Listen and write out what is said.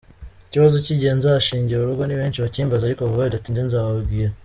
Ikibazo cy’igihe nzashingira urugo ni benshi bakimbaza ariko vuba bidatinze nzababwira.